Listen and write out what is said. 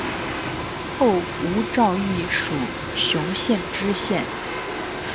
后吴兆毅署雄县知县。